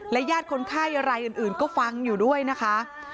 ญาติคนไข้อะไรอื่นก็ฟังอยู่ด้วยนะคะ